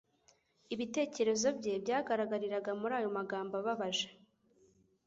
ibitekerezo bye byagaragariraga muri ayo magambo ababaje,